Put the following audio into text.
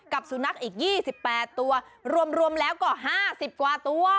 สุนัขอีก๒๘ตัวรวมแล้วก็๕๐กว่าตัว